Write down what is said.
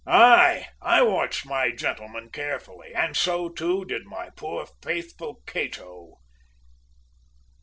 "Aye, I watched my gentleman carefully, and so, too, did my poor faithful Cato!"